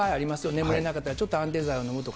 眠れなかったらちょっと安定剤飲むとか。